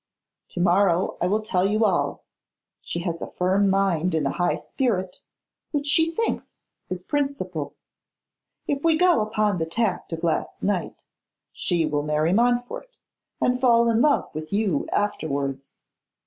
To morrow I will tell you all. She has a firm mind and a high spirit, which she thinks is principle. If we go upon the tack of last night, she will marry Montfort, and fall in love with you afterwards.